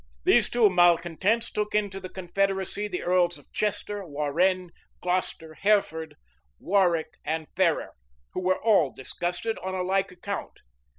These two malecontents took into the confederacy the earls of Chester, Warrenne, Glocester, Hereford, Warwick, and Ferrers, who were all disgusted on a like account.